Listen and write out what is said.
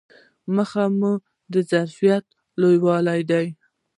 موخه یې د ظرفیت لوړول دي.